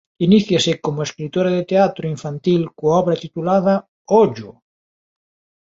Iníciase como escritora de teatro infantil coa obra titulada "Ollo!